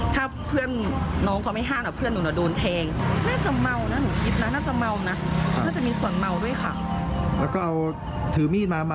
ถ้าเพื่อนน้องเขาไม่ห้าม